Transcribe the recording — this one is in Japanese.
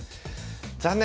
残念！